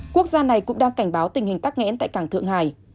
quốc gia này cũng đang cảnh báo tình hình tắc nghẽn tại cảng thượng hải